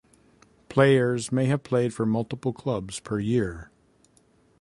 Players may have played for multiple clubs per year.